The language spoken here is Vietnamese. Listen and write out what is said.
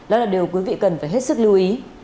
đó là điều quý vị cần phải hết sức lưu ý